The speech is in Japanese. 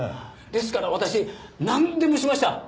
ですから私なんでもしました。